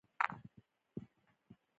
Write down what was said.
غالۍ د افغانستان لوی صادرات دي